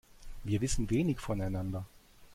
Wir wissen wenig voneinander.